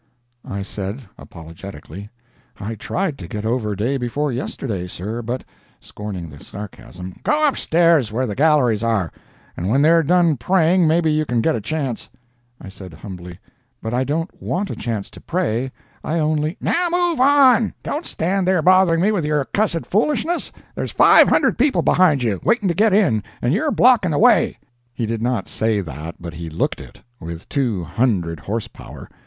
I said, apologetically: "I tried to get over day before yesterday, sir, but—" [Scorning the sarcasm]—"Go up stairs, where the galleries are, and when they're done praying maybe you can get a chance." I said, humbly: "But I don't want a chance to pray—I only—" "Now, move on—don't stand there bothering me with your cussed foolishness—there's five hundred people behind you, waiting to get in, and you're blocking the way." [He did not say that, but he looked it, with two hundred horse power.